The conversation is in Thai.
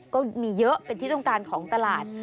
ก็มีเยอะเป็นที่ต้องการของตลาด